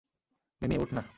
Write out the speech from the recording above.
মিমি, উঠ না।